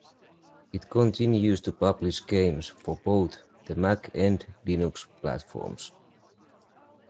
It continues to publish games for both the Mac and Linux platforms.